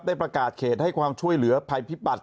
ประกาศเขตให้ความช่วยเหลือภัยพิบัติ